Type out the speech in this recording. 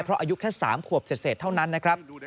เพราะอายุแค่๓ขวบเศษเท่านั้นนะครับ